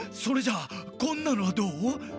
それじゃあこんなのはどう？